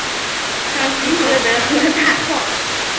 唐吉柯德和大创